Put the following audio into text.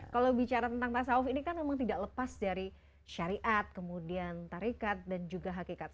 kalau bicara tentang tasawf ini kan memang tidak lepas dari syariat kemudian tarikat dan juga hakikat